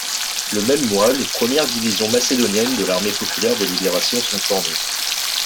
Le même mois, les premières divisions macédoniennes de l'Armée populaire de Libération sont formées.